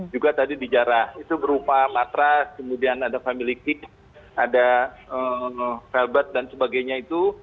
juga tadi dijarah itu berupa matras kemudian ada family ada felbet dan sebagainya itu